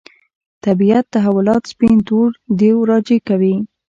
طبیعت تحولات سپین تور دېو راجع کوي.